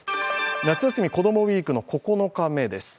「夏休み子どもＷＥＥＫ」の９日目です。